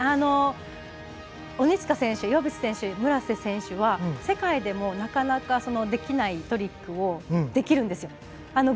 鬼塚選手、岩渕選手はまた、村瀬選手は世界でもなかなかできないトリックをできるんですよ。